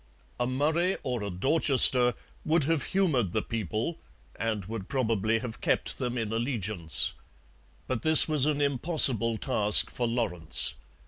A Murray or a Dorchester would have humoured the people and would probably have kept them in allegiance. But this was an impossible task for Lawrence.